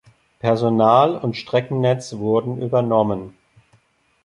Personal und Streckennetz wurden übernommen.